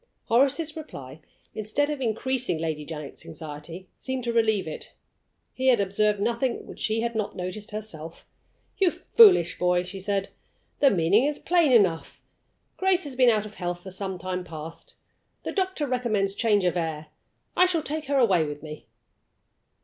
Horace's reply, instead of increasing Lady Janet's anxiety, seemed to relieve it. He had observed nothing which she had not noticed herself. "You foolish boy!" she said, "the meaning is plain enough. Grace has been out of health for some time past. The doctor recommends change of air. I shall take her away with me."